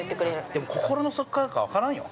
◆でも心の底からか分からんよ。